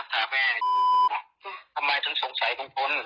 ทำไมฉันสงสัยคุณคน